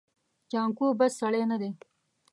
جانکو بد سړی نه دی.